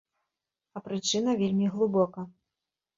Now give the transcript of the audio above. А прычына вельмі глыбока.